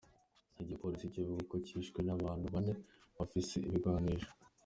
Igipolisi kivuga ko yishwe n'abantu bane bafise ibigwanisho.